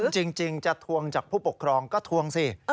จริงจะทวงจากผู้ปกครองก็ทวงสิ